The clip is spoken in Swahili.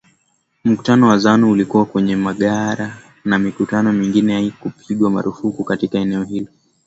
Mkutano wa Zanu ulikuwa kwenye magari na mikutano mingine haikupigwa marufuku katika eneo hilo hilo